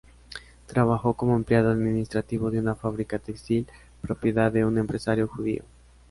Trabajó como empleado administrativo de una fábrica textil propiedad de un empresario judío.